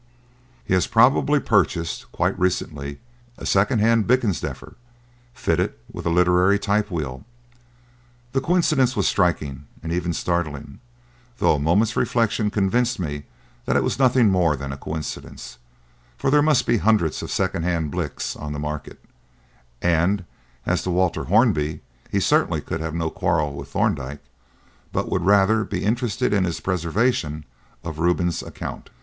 "He has probably purchased, quite recently, a second hand Blickensderfer, fitted with a literary typewheel." The coincidence was striking and even startling, though a moment's reflection convinced me that it was nothing more than a coincidence; for there must be hundreds of second hand "Blicks" on the market, and, as to Walter Hornby, he certainly could have no quarrel with Thorndyke, but would rather be interested in his preservation on Reuben's account.